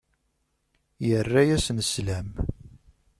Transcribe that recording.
Yerra-asen slam.